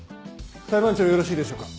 裁判長よろしいでしょうか。